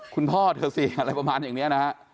คุณพ่อเธอสิอะไรประมาณนี้